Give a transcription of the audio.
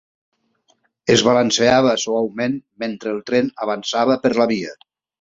Es balancejava suaument mentre el tren avançava per la via.